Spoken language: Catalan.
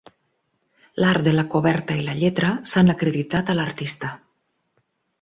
L'art de la coberta i la lletra s'han acreditat a l'artista.